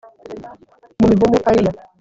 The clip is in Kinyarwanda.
Mu mivumu haliya